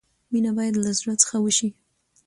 مینه باید لۀ زړۀ څخه وشي.